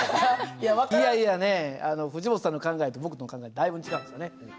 いやいやねえ藤本さんの考えと僕の考えだいぶん違うんですよね。